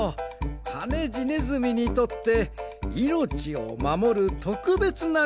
ハネジネズミにとっていのちをまもるとくべつなみちなんだな。